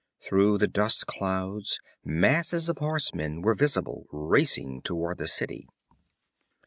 Through the dust clouds masses of horsemen were visible, racing toward the city.